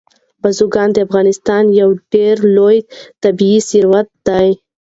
بزګان د افغانستان یو ډېر لوی طبعي ثروت دی.